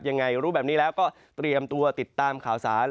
ยังไงรู้แบบนี้แล้วก็เตรียมตัวติดตามข่าวสาร